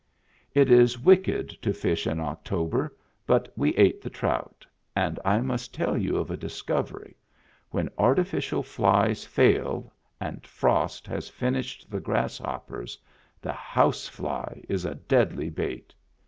It is wicked to fish in October, but we ate the trout; and I must tell you of a discovery: when artificial flies fail, and frost has finished the grass hoppers, the housefly is a deadly bait